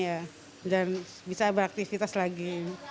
dan bisa beraktivitas lagi